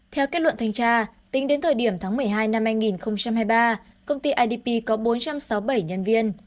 theo kết luận thanh tra tính đến thời điểm tháng một mươi hai năm hai nghìn hai mươi ba công ty idp có bốn trăm sáu mươi bảy nhân viên